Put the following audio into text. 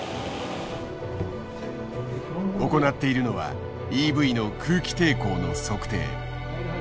行っているのはＥＶの空気抵抗の測定。